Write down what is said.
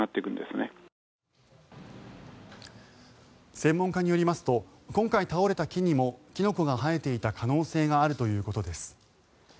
専門家によりますと今回倒れた木にもキノコが生えていた可能性があるということです。